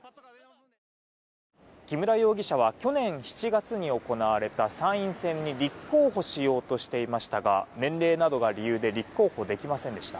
木村容疑者は去年７月に行われた参院選に立候補しようとしていましたが年齢などが理由で立候補できませんでした。